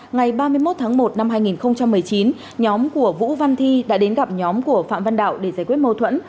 ngày ba mươi một tháng một năm hai nghìn một mươi chín nhóm của vũ văn thi đã đến gặp nhóm của phạm văn đạo để giải quyết mâu thuẫn